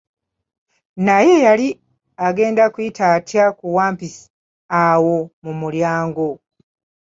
Naye yali agenda kuyita atya ku wampisi awo mu mulyango?